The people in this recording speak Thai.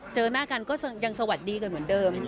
เจอหน้ากันก็ยังสวัสดีกันเหมือนเดิม